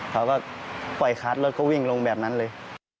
เขาก็ปล่อยคาร์ดรถก็วิ่งลงแบบนั้นเลย